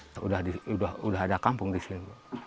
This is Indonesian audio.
sudah ada kampung di sini